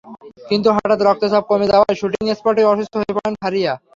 কিন্তু হঠাৎ রক্তচাপ কমে যাওয়ায় শুটিং স্পটেই অসুস্থ হয়ে পড়েন ফারিয়া।